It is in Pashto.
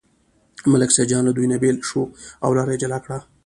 ملک سیدجان له دوی نه بېل شو او لاره یې جلا کړه.